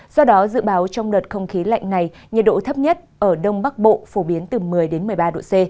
do đó dự báo trong đợt không khí lạnh này nhiệt độ thấp nhất ở đông bắc bộ phổ biến từ một mươi một mươi ba độ c